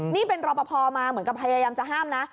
นี่เป็นรอปภมาเหมือนกับพยายามจะห้ามนะ